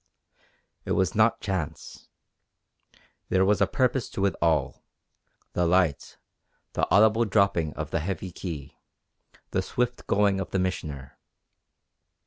It was not chance. There was a purpose to it all: the light, the audible dropping of the heavy key, the swift going of the Missioner.